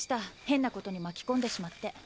変なことに巻き込んでしまって。